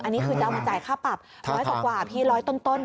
อันนี้คือจะเอามาจ่ายค่าปรับร้อยกว่าพี่ร้อยต้น